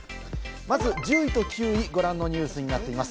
まず１０位と９位はご覧のニュースになっています。